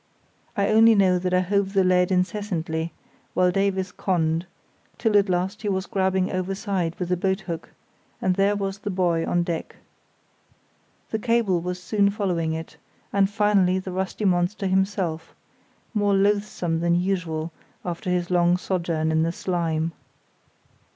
I only know that I hove the lead incessantly while Davies conned, till at last he was grabbing overside with the boathook, and there was the buoy on deck. The cable was soon following it, and finally the rusty monster himself, more loathsome than usual, after his long sojourn in the slime.